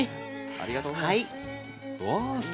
ありがとうございます。